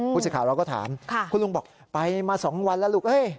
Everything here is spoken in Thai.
ผู้สื่อข่าวเราก็ถามคุณลุงบอกไปมา๒วันแล้วลูก